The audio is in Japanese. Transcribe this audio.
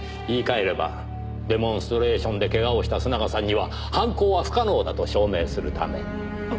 言い換えればデモンストレーションでけがをした須永さんには犯行は不可能だと証明するため。